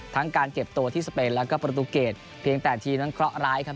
ทั้งการเก็บโต้ที่แล้วก็เพียงแต่ทีมมันเคราะห์ร้ายครับ